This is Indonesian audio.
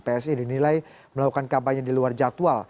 psi dinilai melakukan kampanye di luar jadwal